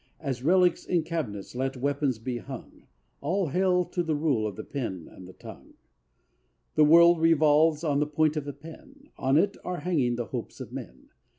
As relics in cabinets let weapons be hung— All hail to the rule of the pen and the tongue. The world revolves on the point of a pen; On it are hanging the hopes of men.